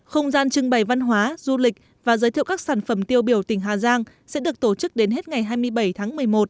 không gian trưng bày văn hóa du lịch và giới thiệu các sản phẩm tiêu biểu tỉnh hà giang sẽ được tổ chức đến hết ngày hai mươi bảy tháng một mươi một